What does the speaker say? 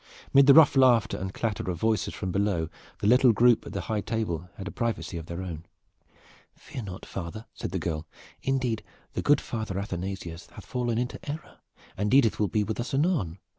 Mid the rough laughter and clatter of voices from below the little group at the high table had a privacy of their own. "Fear not, father," said the girl "indeed, the good Father Athanasius hath fallen into error, and Edith will be with us anon.